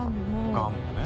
がんもね。